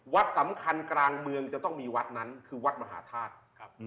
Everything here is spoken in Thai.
วัดสำคัญกลางเมืองจะต้องมีวัดนั้นคือวัดมหาธาตุครับ